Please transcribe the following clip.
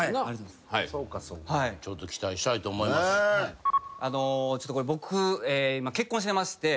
ちょっと期待したいと思います。